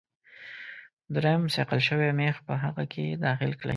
دریم صیقل شوی میخ په هغه کې داخل کړئ.